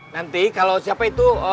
nanti kalau siapa yang ikutnya